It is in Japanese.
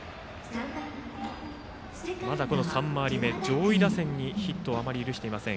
まだ３回り目の上位打線にヒットを許していません。